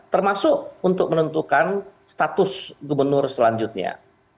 termasuk untuk menentukan status gubernur selanjutnya